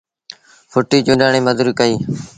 ڦٽيٚ چونڊڻ ريٚ مزوريٚ ڪئيٚ۔